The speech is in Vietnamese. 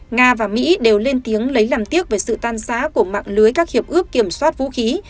nga và mỹ đều lên tiếng lấy làm tiếc về sự tan giá của mạng lưới các hiệp ước kiểm soát vũ khí